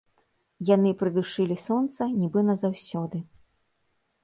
Яны прыдушылі сонца, нібы назаўсёды.